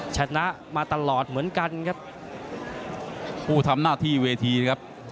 ชนะมาตลอดเหมือนกันครับผู้ทำหน้าที่เวทีนะครับ